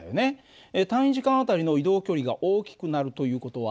単位時間あたりの移動距離が大きくなるという事は？